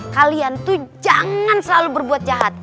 kalian tuh jangan selalu berbuat jahat